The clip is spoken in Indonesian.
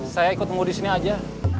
saya ikut nunggu disini aja